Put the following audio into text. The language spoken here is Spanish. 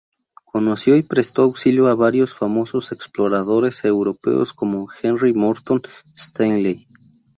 Conoció y prestó auxilio a varios famosos exploradores europeos, como Henry Morton Stanley.